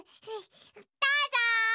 どうぞ！